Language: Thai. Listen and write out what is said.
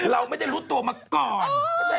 เราไม่ได้รู้ตัวมาก่อน